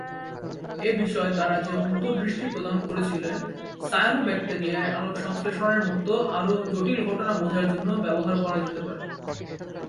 এ বিষয়ে তারা যে অন্তর্দৃষ্টি প্রদান করেছিলেন, সায়ানোব্যাকটেরিয়ায় আলোক সংশ্লেষণের মত আরও জটিল ঘটনা বোঝার জন্য ব্যবহার করা যেতে পারে।